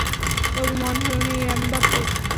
তবু মন ভালো নেই এমবাপ্পের।